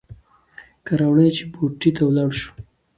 کیه راوړه چې بوټي ته ولاړ شو.